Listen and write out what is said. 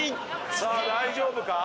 さあ大丈夫か？